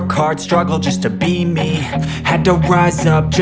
kalau kamu mau bb perka ada nya